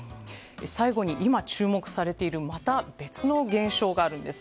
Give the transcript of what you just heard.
最後に今、注目されている別の現象があるんです。